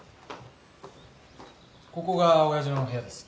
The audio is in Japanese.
ここが親父の部屋です。